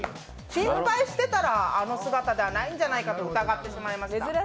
心配していたら、あの姿じゃないんじゃないかと疑ってしまいました。